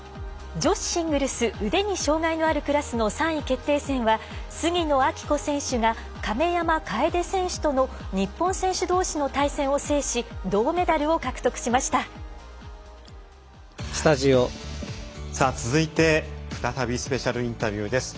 女子シングルス腕に障がいのあるクラスの３位決定戦は杉野明子選手が亀山楓選手との日本選手どうしの対戦を制し続いて再びスペシャルインタビューです。